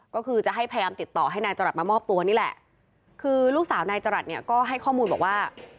ก็คือจะให้พยายามติดต่อให้นายจรัสมามอบตัวนี่แหละคือลูกสาวนายจรัสเนี่ยก็ให้ข้อมูลบอกว่า